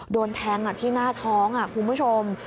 โดนแทงที่หน้าท้องคุณผู้ชม